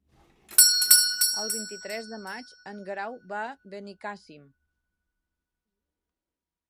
El vint-i-tres de maig en Guerau va a Benicàssim.